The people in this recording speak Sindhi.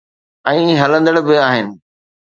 ۽ ھلندڙ به آھن